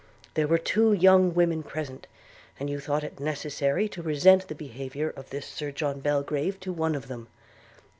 There were two young women present; and you thought it necessary to resent the behavior of this Sir John Belgrave to one of them.'